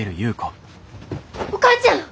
お母ちゃん！